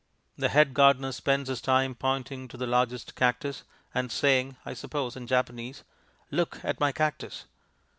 The head gardener spends his time pointing to the largest cactus, and saying (I suppose in Japanese), "Look at my cactus!"